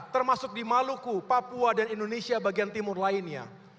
termasuk di maluku papua dan indonesia bagian timur lainnya